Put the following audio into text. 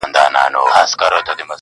د پرنګ توپ يې خاموش کی -